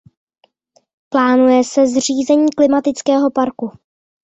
Plánuje se zřízení klimatického parku.